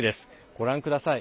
ご覧ください。